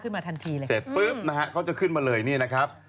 ทันทีเลยเสร็จปุ๊บนะฮะเขาจะขึ้นมาเลยนี่นะครับ